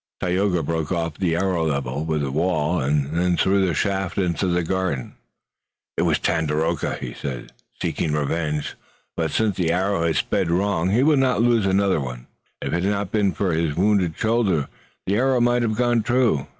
Tayoga broke off the arrow level with the wall, and threw the shaft into the garden. "It was Tandakora," he said, "seeking revenge. But since the arrow has sped wrong he will not loose another shaft tonight. If it had not been for his wounded shoulder the arrow might have gone true.